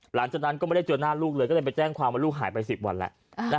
หลังจากนั้นก็ไม่ได้เจอหน้าลูกเลยก็เลยไปแจ้งความว่าลูกหายไป๑๐วันแล้ว